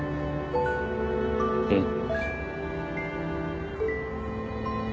うん。